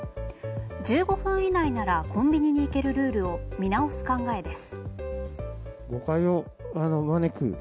１５分以内ならコンビニに行けるルールを見直す考えです。